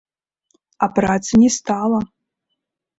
А працы не стала.